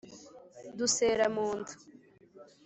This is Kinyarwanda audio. dusera mu nda